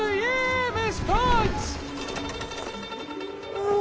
うわ！